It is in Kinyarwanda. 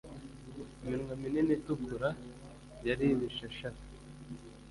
iminwa minini itukura yari ibishashara